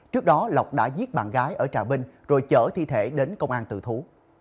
trước đó lọc đã giết bạn gái ở trà binh rồi chở thi thể đến công an tự thú